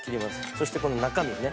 そしてこの中身ね